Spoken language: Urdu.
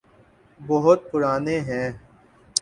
بہت پرانے ہیں۔